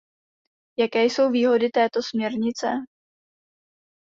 Jaké jsou výhody této směrnice?